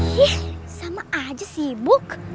ih sama aja sibuk